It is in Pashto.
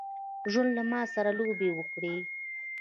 ژوند له ماسره لوبي وکړي.